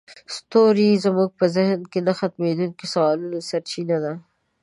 ستوري زموږ په ذهن کې د نه ختمیدونکي سوالونو سرچینه ده.